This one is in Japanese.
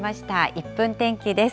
１分天気です。